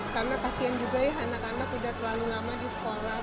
karena kasian juga ya anak anak sudah terlalu lama di sekolah